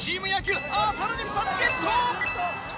あぁさらに２つゲット！